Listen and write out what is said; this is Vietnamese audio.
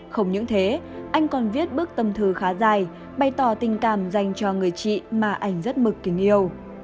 không những thế anh còn viết bước tâm thư khá dài bày tỏ tình cảm dành cho người chị mà ảnh rất mực kính yêu